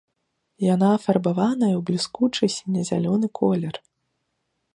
Яна афарбаваная ў бліскучы сіне-зялёны колер.